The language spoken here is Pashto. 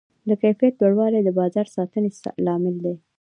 د کیفیت لوړوالی د بازار د ساتنې لامل دی.